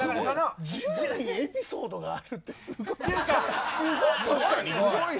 １０名、エピソードがあるってすごい。